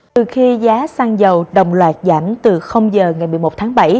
từ khi giá xăng dầu đồng loạt giảm từ giờ ngày một mươi một tháng bảy